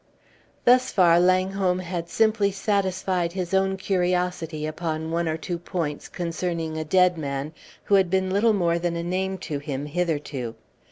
Thus far Langholm had simply satisfied his own curiosity upon one or two points concerning a dead man who had been little more than a name to him hitherto.